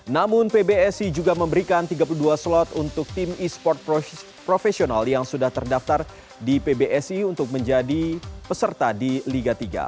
namun pbsi juga memberikan tiga puluh dua slot untuk tim e sport profesional yang sudah terdaftar di pbsi untuk menjadi peserta di liga tiga